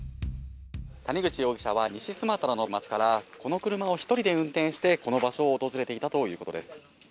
谷口容疑者は、西スマトラの町からこの車を１人で運転して、この場所を訪れていたということです。